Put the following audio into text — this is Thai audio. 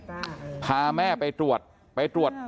พี่สาวของเธอบอกว่ามันเกิดอะไรขึ้นกับพี่สาวของเธอ